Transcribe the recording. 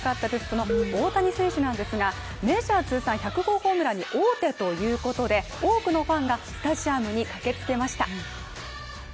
その大谷選手なんですが、メジャー通算１００号ホームランに王手ということで、多くのファンがスタジアムに駆けつけました。